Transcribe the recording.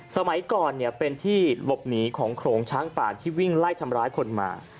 สมัยก่อนเป็นที่หลบหนีของโขลงช้างป่าที่วิ่งไล่ทำร้ายคนมา